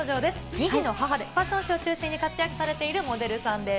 ２児の母で、ファッション誌を中心に活躍されているモデルさんです。